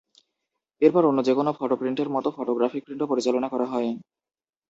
এরপর, অন্য যেকোনো ফটো-প্রিন্টের মতো ফটোগ্রাফিক প্রিন্টও পরিচালনা করা হয়।